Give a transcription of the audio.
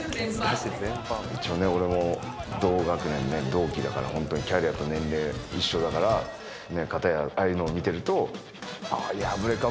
一応ね俺も同学年同期だから本当にキャリアと年齢一緒だから片やああいうのを見てると。